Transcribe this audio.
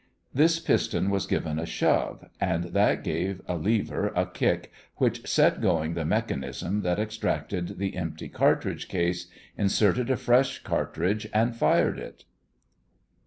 This piston was given a shove, and that gave a lever a kick which set going the mechanism that extracted the empty cartridge case, inserted a fresh cartridge, and fired it.